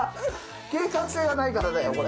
計画性がないからだよこれ。